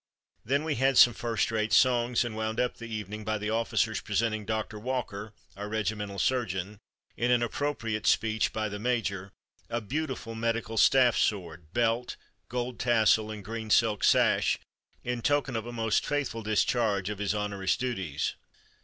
Then we had some first rate songs, and wound up the evening by the officers presenting Dr. Walker [our regimental surgeon], in an _appropriate_(!) speech by the major, a beautiful medical staff sword, belt, gold tassel, and green silk sash, in token of a most faithful discharge of his onerous duties."